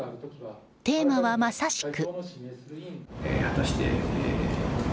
テーマは、まさしく。